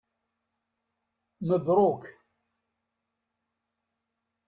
Mebruk.